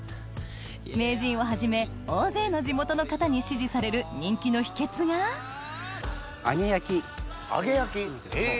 名人をはじめ大勢の地元の方に支持される人気の秘訣が揚げ焼きへぇ！